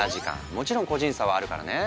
もちろん個人差はあるからね。